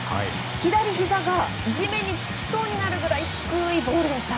左ひざが地面につきそうになるくらい低いボールでした。